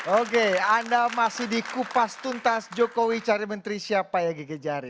oke anda masih di kupas tuntas jokowi cari menteri siapa ya gigi jari